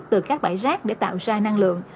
từ các bãi rác để tạo ra năng lượng